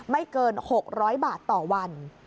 ไม่เกิน๖๐๐บาทต่อวัน